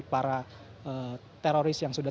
para teroris yang sudah